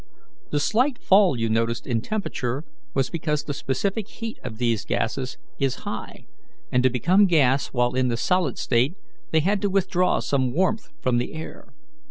The slight fall you noticed in temperature was because the specific heat of these gases is high, and to become gas while in the solid state they had to withdraw some warmth from the air.